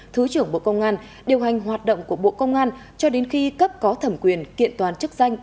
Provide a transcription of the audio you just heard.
thứ trưởng bộ công an điều hành hoạt động của bộ công an cho đến khi cấp có thẩm quyền kiện toàn chức danh